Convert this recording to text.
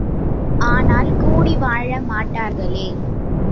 ஆனால், கூடி வாழமாட்டார்களே!